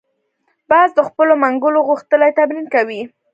باز د خپلو منګولو غښتلي تمرین کوي